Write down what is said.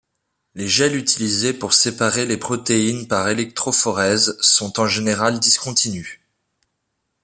Les gels utilisés pour séparer les protéines par électrophorèse sont en général discontinus.